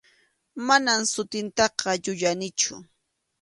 Manam sutintaqa yuyanichu.